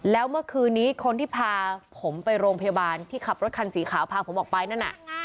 แล้วเมื่อคืนนี้คนที่พาผมไปโรงพยาบาลที่ขับรถคันสีขาวพาผมออกไปนั่นน่ะ